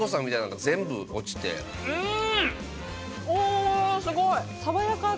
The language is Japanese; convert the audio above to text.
おおすごい！